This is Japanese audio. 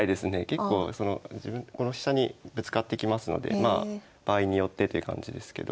結構そのこの下にぶつかってきますので場合によってという感じですけど。